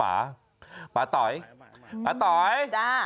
ป่าต๋อยป่าต๋อยป่าต๋อยจะ